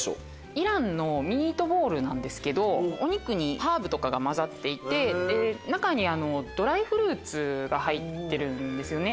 イランのミートボールなんですけどお肉にハーブとかが混ざっていて中にドライフルーツが入ってるんですよね。